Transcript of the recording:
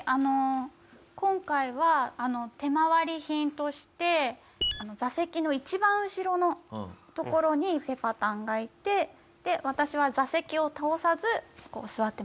今回は手回り品として座席の一番後ろの所にぺぱたんがいて私は座席を倒さず座ってました。